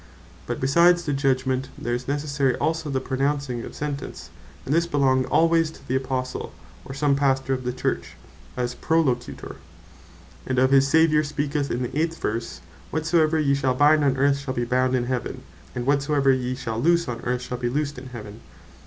But besides the Judgment, there is necessary also the pronouncing of Sentence: And this belonged alwaies to the Apostle, or some Pastor of the Church, as Prolocutor; and of this our Saviour speaketh in the 18 verse, "Whatsoever ye shall bind on earth, shall be bound in heaven; and whatsoever ye shall loose on earth, shall be loosed in heaven."